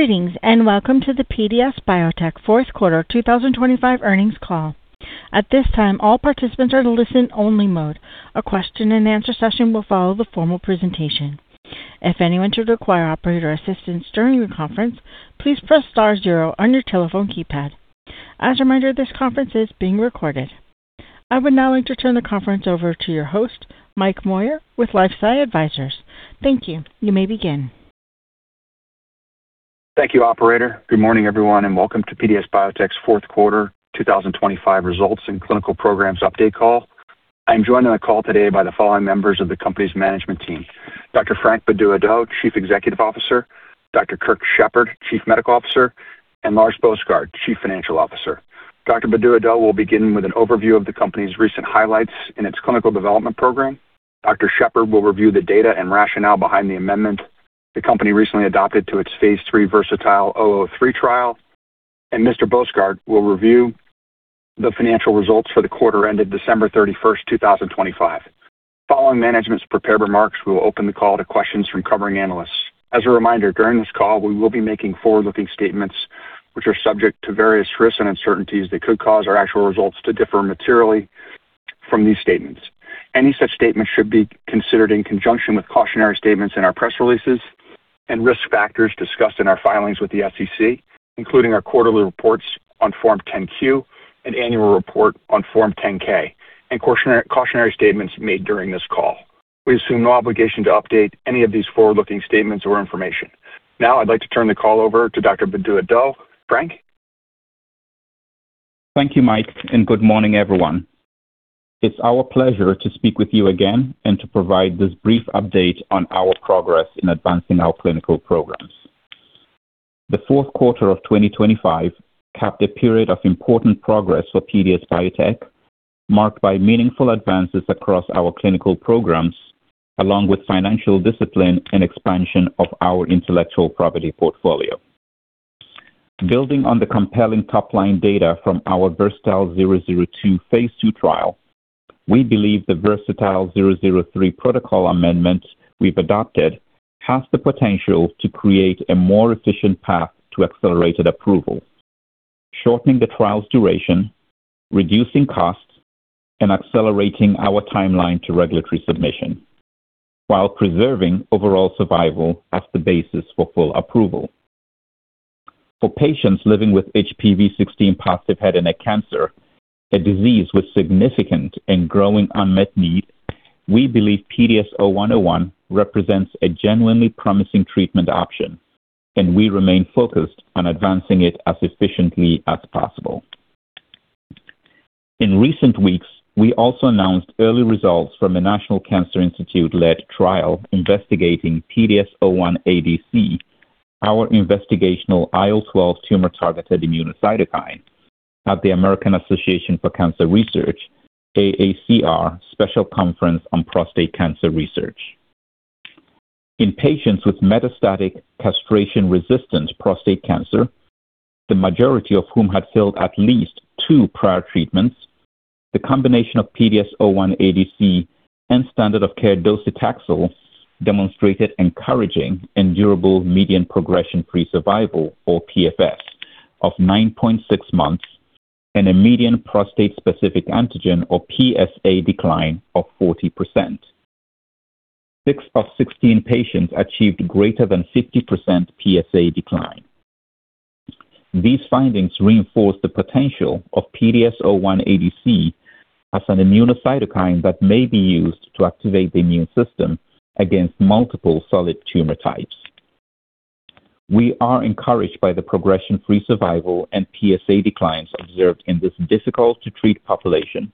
Greetings, and welcome to the PDS Biotechnology Q4 2025 Earnings Call. At this time, all participants are in listen-only mode. A question and answer session will follow the formal presentation. If anyone should require operator assistance during the conference, please press star zero on your telephone keypad. As a reminder, this conference is being recorded. I would now like to turn the conference over to your host, Mike Moyer with LifeSci Advisors. Thank you. You may begin. Thank you, operator. Good morning, everyone, and welcome to PDS Biotechnology's Q4 2025 Results and Clinical Programs Update Call. I'm joined on the call today by the following members of the company's management team: Dr. Frank Bedu-Addo, Chief Executive Officer, Dr. Kirk Shepard, Chief Medical Officer, and Lars Boesgaard, Chief Financial Officer. Dr. Bedu-Addo will begin with an overview of the company's recent highlights in its clinical development program. Dr. Shepard will review the data and rationale behind the amendment the company recently adopted to its phase III VERSATILE-003 trial. Mr. Boesgaard will review the financial results for the quarter ended December 31, 2025. Following management's prepared remarks, we will open the call to questions from covering analysts. As a reminder, during this call, we will be making forward-looking statements which are subject to various risks and uncertainties that could cause our actual results to differ materially from these statements. Any such statements should be considered in conjunction with cautionary statements in our press releases and risk factors discussed in our filings with the SEC, including our quarterly reports on Form 10-Q and annual report on Form 10-K and cautionary statements made during this call. We assume no obligation to update any of these forward-looking statements or information. Now I'd like to turn the call over to Dr. Bedu-Addo, Frank. Thank you, Mike, and good morning, everyone. It's our pleasure to speak with you again and to provide this brief update on our progress in advancing our clinical programs. The fourth quarter of 2025 capped a period of important progress for PDS Biotechnology, marked by meaningful advances across our clinical programs, along with financial discipline and expansion of our intellectual property portfolio. Building on the compelling top-line data from our VERSATILE-002 phase II trial, we believe the VERSATILE-003 protocol amendment we've adopted has the potential to create a more efficient path to accelerated approval, shortening the trial's duration, reducing costs, and accelerating our timeline to regulatory submission while preserving overall survival as the basis for full approval. For patients living with HPV-16 positive head and neck cancer, a disease with significant and growing unmet need, we believe PDS0101 represents a genuinely promising treatment option, and we remain focused on advancing it as efficiently as possible. In recent weeks, we also announced early results from a National Cancer Institute-led trial investigating PDS-01ADC, our investigational IL-12 tumor-targeted immunocytokine, at the American Association for Cancer Research, AACR, Special Conference on Prostate Cancer Research. In patients with metastatic castration-resistant prostate cancer, the majority of whom had failed at least two prior treatments, the combination of PDS-01ADC and standard of care docetaxel demonstrated encouraging and durable median progression-free survival, or PFS, of 9.6 months and a median prostate-specific antigen or PSA decline of 40%. Six of 16 patients achieved greater than 50% PSA decline. These findings reinforce the potential of PDS-01ADC as an immunocytokine that may be used to activate the immune system against multiple solid tumor types. We are encouraged by the progression-free survival and PSA declines observed in this difficult to treat population,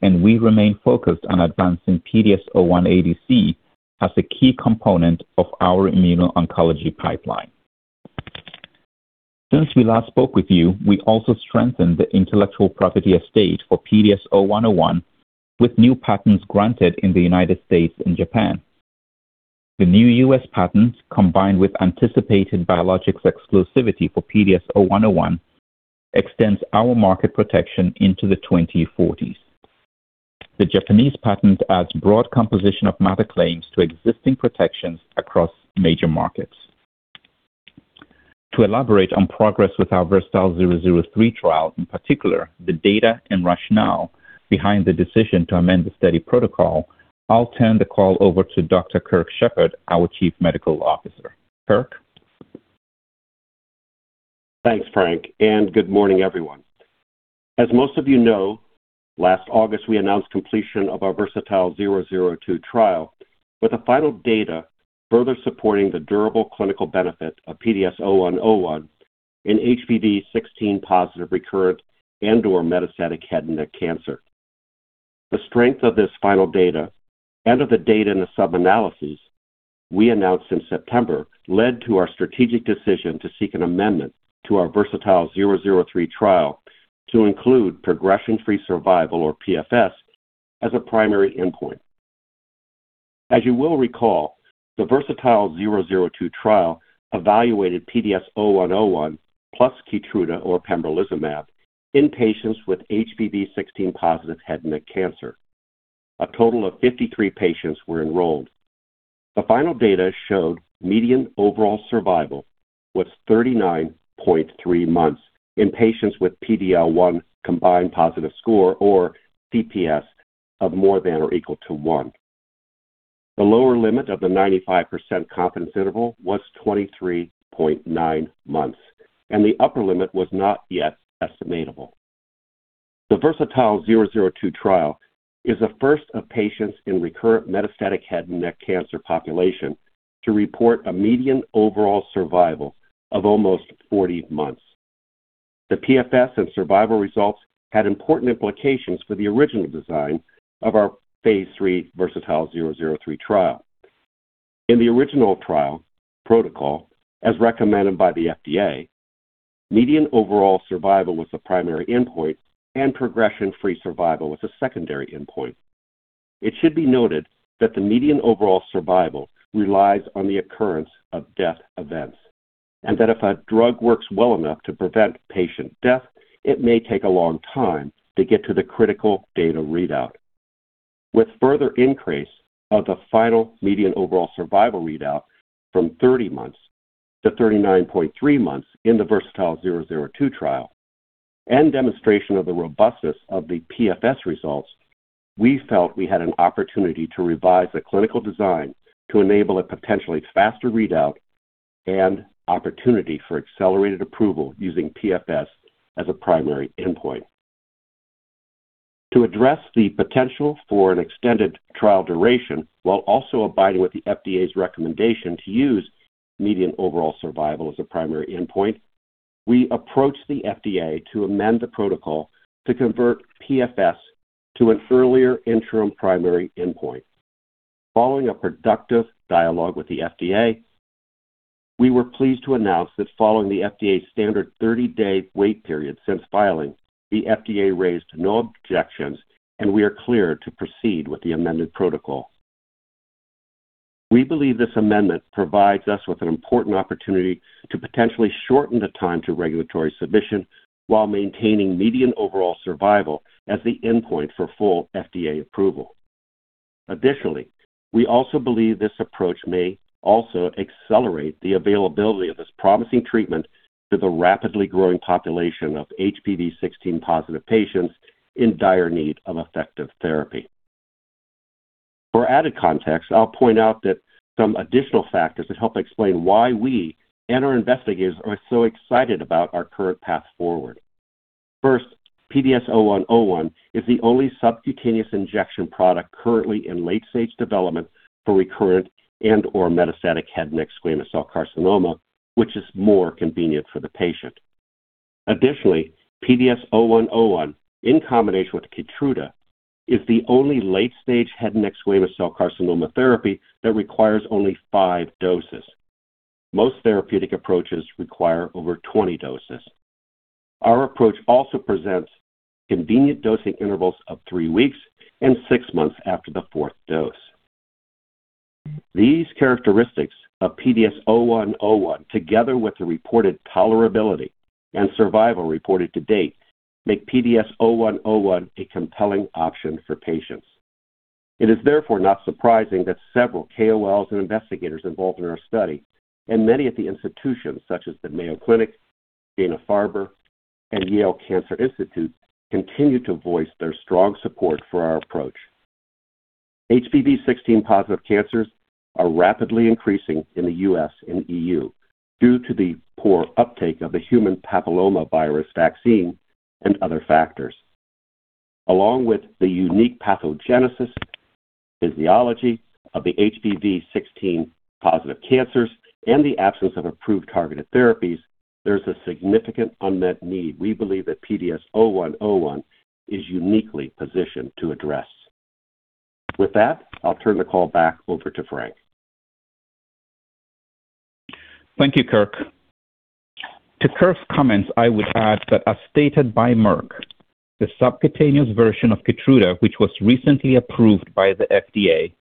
and we remain focused on advancing PDS-01ADC as a key component of our immuno-oncology pipeline. Since we last spoke with you, we also strengthened the intellectual property estate for PDS0101 with new patents granted in the United States and Japan. The new U.S. patent, combined with anticipated biologics exclusivity for PDS0101, extends our market protection into the 2040s. The Japanese patent adds broad composition of matter claims to existing protections across major markets. To elaborate on progress with our VERSATILE-003 trial, in particular, the data and rationale behind the decision to amend the study protocol, I'll turn the call over to Dr. Kirk Shepard, our Chief Medical Officer. Kirk. Thanks, Frank, and good morning, everyone. As most of you know, last August, we announced completion of our VERSATILE-002 trial with the final data further supporting the durable clinical benefit of PDS0101 in HPV-16-positive recurrent and/or metastatic head and neck cancer. The strength of this final data and of the data in the sub-analysis we announced in September led to our strategic decision to seek an amendment to our VERSATILE-003 trial to include progression-free survival or PFS as a primary endpoint. As you will recall, the VERSATILE-002 trial evaluated PDS0101 plus KEYTRUDA or pembrolizumab in patients with HPV-16-positive head and neck cancer. A total of 53 patients were enrolled. The final data showed median overall survival was 39.3 months in patients with PD-L1 Combined Positive Score or CPS of more than or equal to one. The lower limit of the 95% confidence interval was 23.9 months, and the upper limit was not yet estimatable. The VERSATILE-002 trial is the first of patients in the recurrent metastatic head and neck cancer population to report a median overall survival of almost 40 months. The PFS and survival results had important implications for the original design of our phase III VERSATILE-003 trial. In the original trial protocol, as recommended by the FDA, median overall survival was the primary endpoint, and progression-free survival was a secondary endpoint. It should be noted that the median overall survival relies on the occurrence of death events, and that if a drug works well enough to prevent patient death, it may take a long time to get to the critical data readout. With further increase of the final median overall survival readout from 30 months to 39.3 months in the VERSATILE-002 trial and demonstration of the robustness of the PFS results, we felt we had an opportunity to revise the clinical design to enable a potentially faster readout and opportunity for accelerated approval using PFS as a primary endpoint. To address the potential for an extended trial duration while also abiding with the FDA's recommendation to use median overall survival as a primary endpoint, we approached the FDA to amend the protocol to convert PFS to an earlier interim primary endpoint. Following a productive dialogue with the FDA, we were pleased to announce that following the FDA standard 30-day wait period since filing, the FDA raised no objections, and we are clear to proceed with the amended protocol. We believe this amendment provides us with an important opportunity to potentially shorten the time to regulatory submission while maintaining median overall survival as the endpoint for full FDA approval. Additionally, we also believe this approach may also accelerate the availability of this promising treatment to the rapidly growing population of HPV-16 positive patients in dire need of effective therapy. For added context, I'll point out that some additional factors that help explain why we and our investigators are so excited about our current path forward. First, PDS0101 is the only subcutaneous injection product currently in late-stage development for recurrent and/or metastatic head and neck squamous cell carcinoma, which is more convenient for the patient. Additionally, PDS0101 in combination with KEYTRUDA is the only late-stage head and neck squamous cell carcinoma therapy that requires only five doses. Most therapeutic approaches require over twenty doses. Our approach also presents convenient dosing intervals of three weeks and six months after the fourth dose. These characteristics of PDS0101, together with the reported tolerability and survival reported to date, make PDS0101 a compelling option for patients. It is therefore not surprising that several KOLs and investigators involved in our study and many at the institutions such as the Mayo Clinic, Dana-Farber, and Yale Cancer Institute continue to voice their strong support for our approach. HPV-16 positive cancers are rapidly increasing in the U.S. and EU due to the poor uptake of the human papillomavirus vaccine and other factors. Along with the unique pathogenesis, pathophysiology of the HPV-16 positive cancers and the absence of approved targeted therapies, there's a significant unmet need we believe that PDS0101 is uniquely positioned to address. With that, I'll tu rn the call back over to Frank. Thank you, Kirk. To Kirk's comments, I would add that as stated by Merck, the subcutaneous version of KEYTRUDA, which was recently approved by the FDA,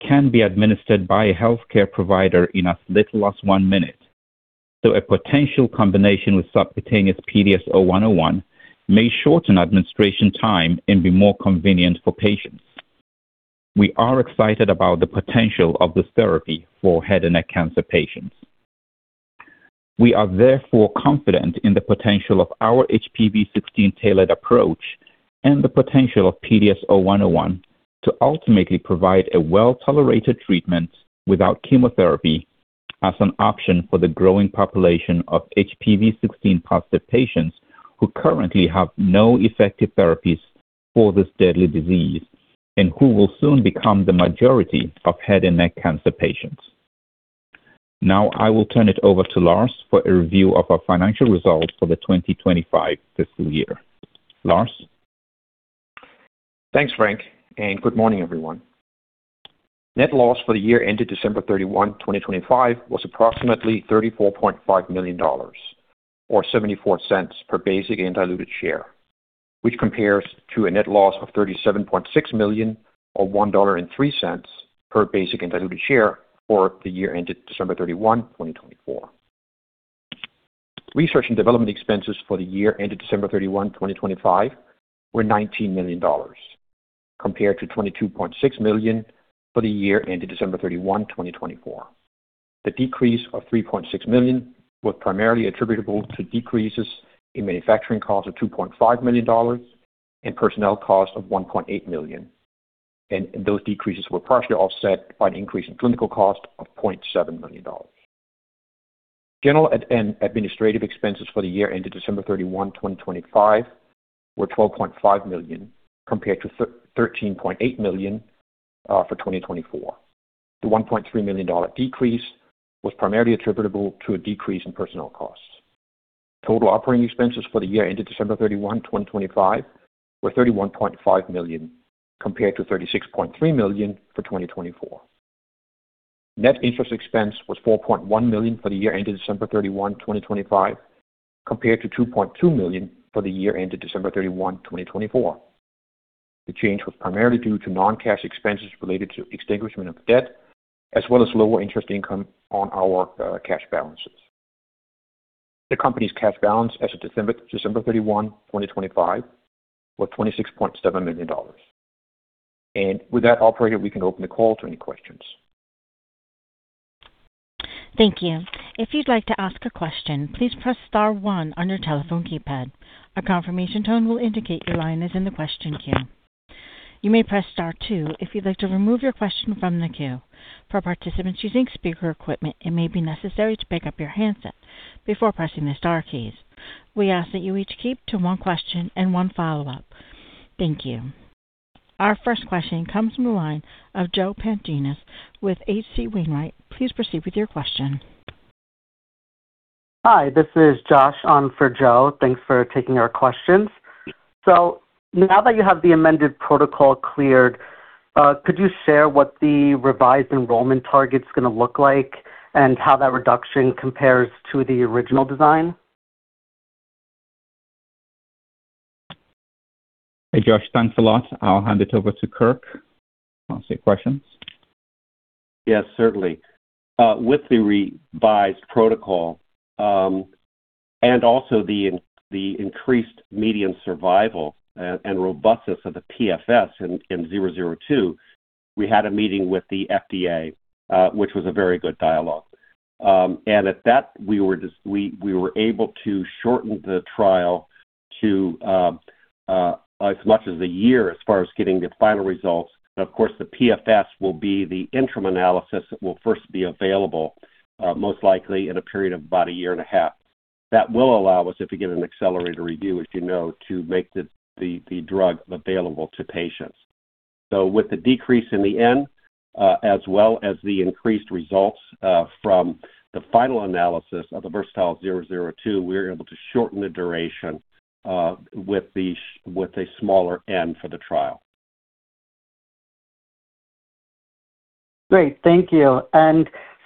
can be administered by a healthcare provider in as little as one minute. A potential combination with subcutaneous PDS0101 may shorten administration time and be more convenient for patients. We are excited about the potential of this therapy for head and neck cancer patients. We are therefore confident in the potential of our HPV-16 tailored approach and the potential of PDS0101 to ultimately provide a well-tolerated treatment without chemotherapy as an option for the growing population of HPV-16 positive patients who currently have no effective therapies for this deadly disease and who will soon become the majority of head and neck cancer patients. Now I will turn it over to Lars for a review of our financial results for the 2025 fiscal year. Lars? Thanks, Frank, and good morning, everyone. Net loss for the year ended December 31, 2025 was approximately $34.5 million or $0.74 per basic and diluted share, which compares to a net loss of $37.6 million or $1.03 per basic and diluted share for the year ended December 31, 2024. Research and development expenses for the year ended December 31, 2025 were $19 million, compared to $22.6 million for the year ended December 31, 2024. The decrease of $3.6 million was primarily attributable to decreases in manufacturing costs of $2.5 million and personnel costs of $1.8 million. Those decreases were partially offset by an increase in clinical cost of $0.7 million. General and administrative expenses for the year ended December 31, 2025 were $12.5 million, compared to $13.8 million for 2024. The $1.3 million decrease was primarily attributable to a decrease in personnel costs. Total operating expenses for the year ended December 31, 2025 were $31.5 million, compared to $36.3 million for 2024. Net interest expense was $4.1 million for the year ended December 31, 2025, compared to $2.2 million for the year ended December 31, 2024. The change was primarily due to non-cash expenses related to extinguishment of debt as well as lower interest income on our cash balances. The company's cash balance as of December 31, 2025 were $26.7 million. With that, operator, we can open the call to any questions. Thank you. If you'd like to ask a question, please press star one on your telephone keypad. A confirmation tone will indicate your line is in the question queue. You may press star two if you'd like to remove your question from the queue. For participants using speaker equipment, it may be necessary to pick up your handset before pressing the star keys. We ask that you each keep to one question and one follow-up. Thank you. Our first question comes from the line of Joe Pantginis with H.C. Wainwright. Please proceed with your question. Hi, this is Josh on for Joe. Thanks for taking our questions. Now that you have the amended protocol cleared, could you share what the revised enrollment target's gonna look like and how that reduction compares to the original design? Hey, Josh. Thanks a lot. I'll hand it over to Kirk to answer your questions. Yes, certainly. With the revised protocol, and also the increased median survival and robustness of the PFS in 002, we had a meeting with the FDA, which was a very good dialogue. At that we were able to shorten the trial to as much as a year as far as getting the final results. Of course, the PFS will be the interim analysis that will first be available most likely in a period of about a year and a half. That will allow us, if we get an accelerated review, as you know, to make the drug available to patients. With the decrease in the N, as well as the increased results from the final analysis of the VERSATILE-002, we're able to shorten the duration with the smaller N for the trial. Great. Thank you.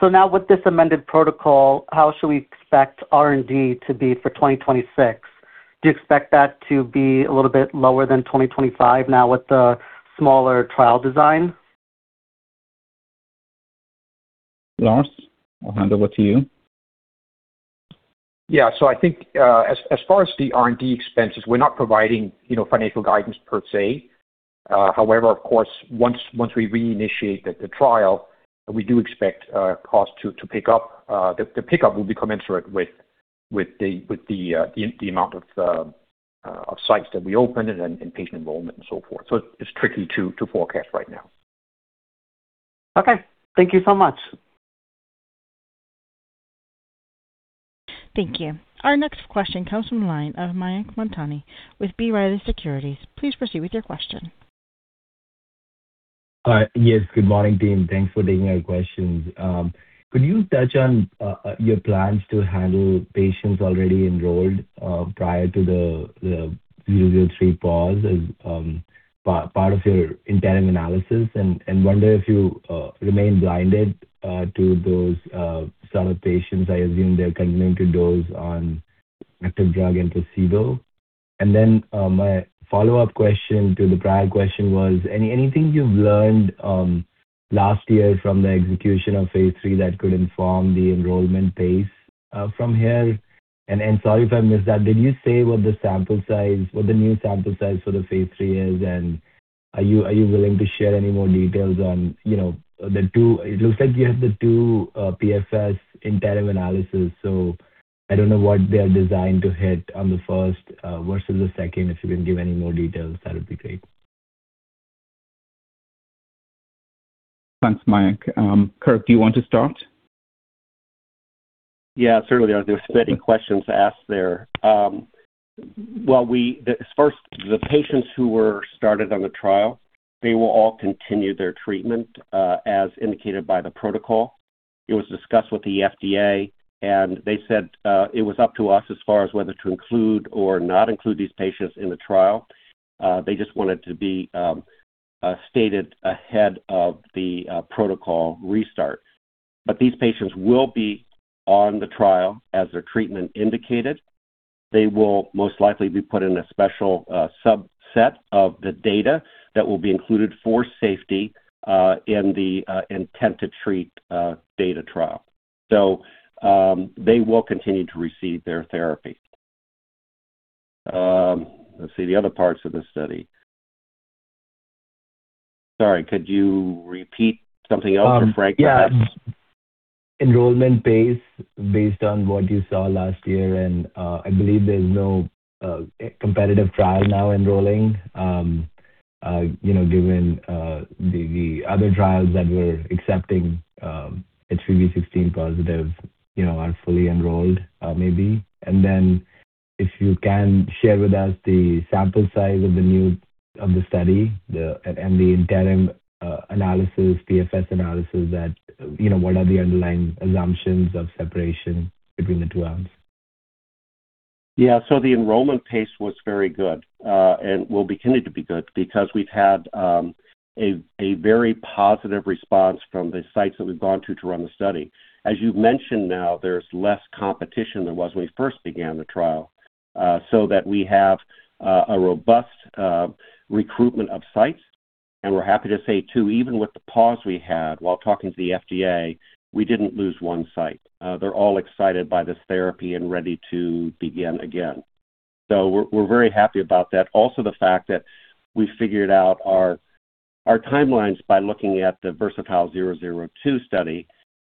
Now with this amended protocol, how should we expect R&D to be for 2026? Do you expect that to be a little bit lower than 2025 now with the smaller trial design? Lars, I'll hand over to you. I think, as far as the R&D expenses, we're not providing, you know, financial guidance per se. However, of course, once we reinitiate the trial, we do expect costs to pick up. The pickup will be commensurate with the amount of sites that we open and then patient enrollment and so forth. It's tricky to forecast right now. Okay. Thank you so much. Thank you. Our next question comes from the line of Mayank Mamtani with B. Riley Securities. Please proceed with your question. Yes, good morning, team. Thanks for taking our questions. Could you touch on your plans to handle patients already enrolled prior to the VERSATILE-003 pause as part of your interim analysis? Wonder if you remain blinded to those set of patients. I assume they're continuing to dose on active drug and placebo. Then my follow-up question to the prior question was anything you've learned last year from the execution of phase III that could inform the enrollment pace from here? Sorry if I missed that, did you say what the new sample size for the phase III is? Are you willing to share any more details on, you know... It looks like you have the two PFS interim analysis, so I don't know what they're designed to hit on the first versus the second. If you can give any more details, that would be great. Thanks, Mayank. Kirk, do you want to start? Yeah, certainly. There's many questions asked there. First, the patients who were started on the trial, they will all continue their treatment, as indicated by the protocol. It was discussed with the FDA, and they said, it was up to us as far as whether to include or not include these patients in the trial. They just want it to be stated ahead of the protocol restart. These patients will be on the trial as their treatment indicated. They will most likely be put in a special subset of the data that will be included for safety, in the intent-to-treat data trial. They will continue to receive their therapy. Let's see the other parts of the study. Sorry, could you repeat something else or Frank perhaps- Yeah. Enrollment pace based on what you saw last year and I believe there's no competitive trial now enrolling, you know, given the other trials that were accepting HPV-16 positive, you know, are fully enrolled, maybe. Then if you can share with us the sample size of the study and the interim analysis, PFS analysis that, you know, what are the underlying assumptions of separation between the two arms? Yeah. The enrollment pace was very good and will continue to be good because we've had a very positive response from the sites that we've gone to to run the study. As you've mentioned now, there's less competition than was when we first began the trial, so that we have a robust recruitment of sites. We're happy to say, too, even with the pause we had while talking to the FDA, we didn't lose one site. They're all excited by this therapy and ready to begin again. We're very happy about that. Also the fact that we figured out our timelines by looking at the VERSATILE-002 study,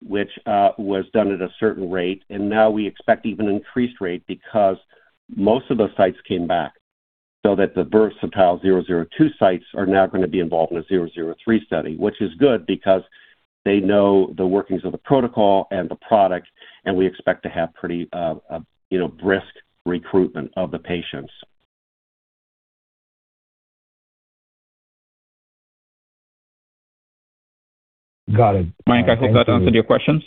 which was done at a certain rate, and now we expect even increased rate because most of the sites came back so that the VERSATILE-002 sites are now gonna be involved in a VERSATILE-003 study, which is good because they know the workings of the protocol and the product, and we expect to have pretty, you know, brisk recruitment of the patients. Got it. Thank you. Mayank, I hope that answered your questions.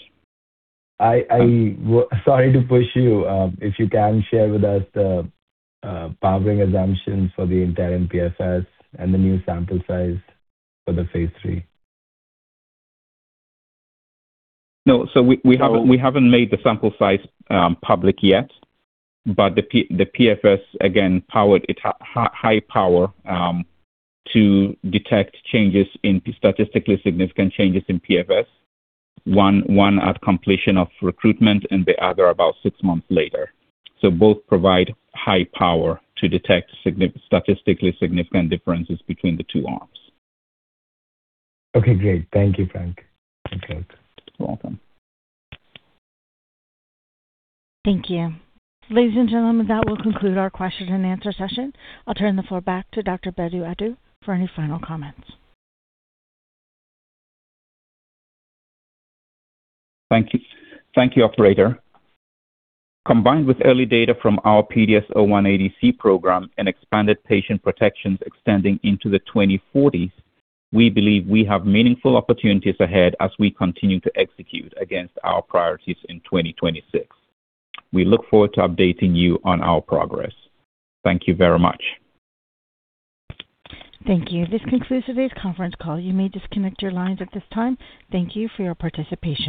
Sorry to push you. If you can share with us the powering assumptions for the interim PFS and the new sample size for the phase III. No. We haven't made the sample size public yet, but the PFS, again, powered with high power to detect statistically significant changes in PFS, one at completion of recruitment and the other about six months later. Both provide high power to detect statistically significant differences between the two arms. Okay, great. Thank you, Frank and Kirk. You're welcome. Thank you. Ladies and gentlemen, that will conclude our question and answer session. I'll turn the floor back to Dr. Frank Bedu-Addo for any final comments. Thank you. Thank you, operator. Combined with early data from our PDS01ADC program and expanded patient protections extending into the 2040s, we believe we have meaningful opportunities ahead as we continue to execute against our priorities in 2026. We look forward to updating you on our progress. Thank you very much. Thank you. This concludes today's conference call. You may disconnect your lines at this time. Thank you for your participation.